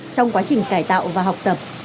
trong quá trình cải tạo và học tập